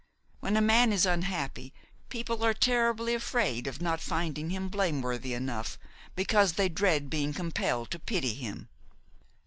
When a man is unhappy, people are terribly afraid of not finding him blameworthy enough, because they dread being compelled to pity him.